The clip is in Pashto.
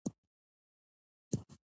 ایا زه باید یوګا وکړم؟